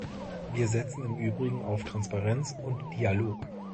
Wir setzen im Übrigen auf Transparenz und Dialog.